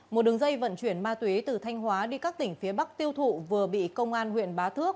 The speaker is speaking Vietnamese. một đường dây vận chuyển ma túy từ thanh hóa đi các tỉnh phía bắc tiêu thụ vừa bị công an huyện bá thước